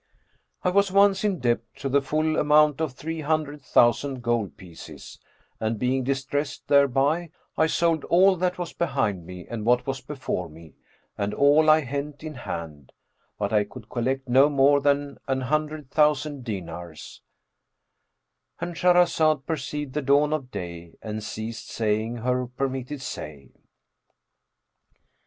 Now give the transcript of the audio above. "I was once in debt to the full amount of three hundred thousand gold pieces;[FN#402] and, being distressed thereby, I sold all that was behind me and what was before me and all I hent in hand, but I could collect no more than an hundred thousand dinars"—And Shahrazad perceived the dawn of day and ceased saying her permitted say.